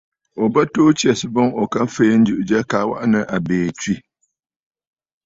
Ò bə tuu tsɛ̀sə̀ boŋ ò ka fèe njɨ̀ʼɨ̀ jya kaa waʼà nɨ̂ àbìì tswə̂.